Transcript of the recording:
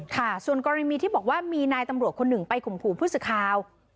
ค่ะส่วนก็ยังมีที่บอกว่ามีนายตำรวจคนหนึ่งไปคุมคู่พฤษขาว